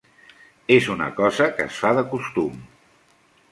És una cosa que es fa de costum.